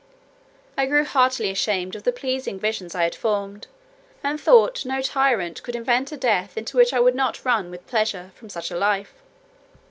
I grew heartily ashamed of the pleasing visions I had formed; and thought no tyrant could invent a death into which I would not run with pleasure, from such a life.